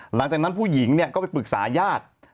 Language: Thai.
หลังจากนั้นผู้หญิงเนี่ยก็ไปปรึกษาญาติ